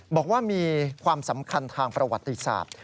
บอกว่ามีความสำคัญทางประวัติศาสตร์